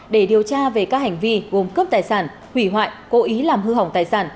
để điều tra về các hành vi gồm cướp tài sản hủy hoại cố ý làm hư hỏng tài sản